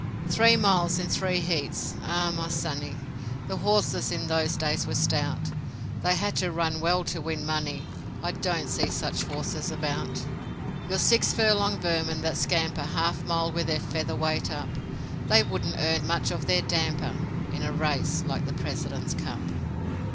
Three miles in three heats: Ah, my sonny, The horses in those days were stout, They had to run well to win money; I don't see such horses about. Your six furlong vermin that scamper Half a mile with their feather weight up; They wouldn't earn much of their damper In a race like the President's Cup.